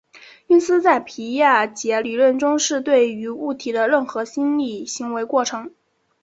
运思在皮亚杰理论中是对于物体的任何心理行为过程。